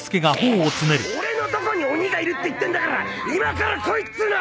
俺のとこに鬼がいるって言ってんだから今から来いっつうの！